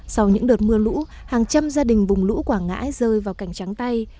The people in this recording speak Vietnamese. sau những đợt mưa lũ hàng trăm gia đình vùng lũ quảng ngãi rơi vào cảnh trắng tay